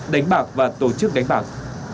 đánh bạc và tổ chức đánh bạc